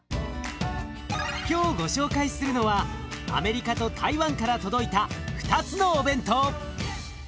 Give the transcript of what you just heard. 今日ご紹介するのはアメリカと台湾から届いた２つのお弁当。